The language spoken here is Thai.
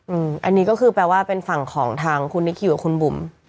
อืมอันนี้ก็คือแปลว่าเป็นฝั่งของทางคุณนิคิวกับคุณบุ๋ม